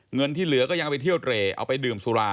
เงินที่เหลือก็ยังเอาไปเที่ยวเตรเอาไปดื่มสุรา